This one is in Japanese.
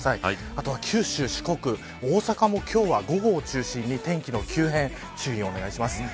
あとは九州、四国、大阪も今日は午後を中心に天気の急変注意をお願いします。